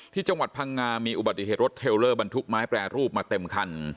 ที่จังหวัดพังงามีอุบัติเหตุรถเทลเลอร์บรรทุกไม้แปรรูปมาเต็มคัน